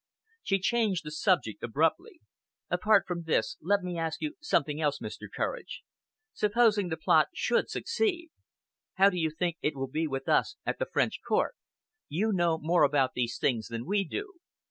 She changed the subject abruptly. "Apart from this, let me ask you something else, Mr. Courage. Supposing the plot should succeed. How do you think it will be with us at the French Court? You know more about these things than we do.